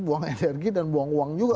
buang energi dan buang uang juga